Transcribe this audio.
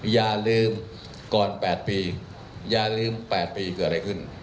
อย่าลืมก่อน๘ปีอย่าลืม๘ปีเกิดอะไรขึ้น